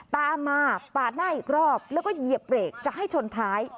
ตามมาปาดหน้าอีกรอบแล้วก็เหยียบเบรกจะให้ชนท้าย